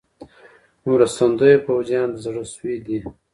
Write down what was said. خو مرستندویه پوځیان د زړه سوي دي.